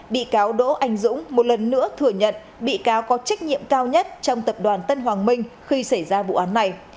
bị cáo đỗ anh dũng một lần nữa thừa nhận bị cáo có trách nhiệm cao nhất trong tập đoàn tân hoàng minh khi xảy ra vụ án này